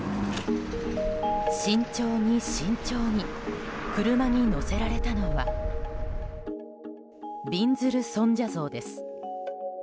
慎重に慎重に車に乗せられたのはびんずる尊者像です。